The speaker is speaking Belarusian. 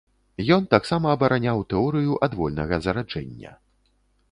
Ён таксама абараняў тэорыю адвольнага зараджэння.